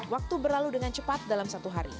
waktu berlalu dengan cepat dalam satu hari